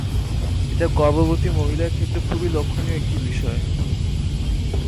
এটা গর্ভবতী মহিলার ক্ষেত্রে খুবই লক্ষণীয় একটি বিষয়।